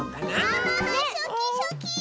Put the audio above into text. キャハハすきすき！